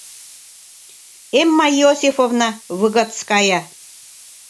Эмма Иосифовна Выгодская